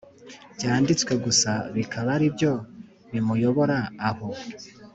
Byanditswe gusa bikaba ari byo bimuyobora aho